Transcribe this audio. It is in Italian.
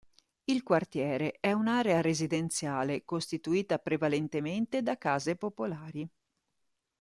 Il quartiere è un'area residenziale, costituita prevalentemente da case popolari.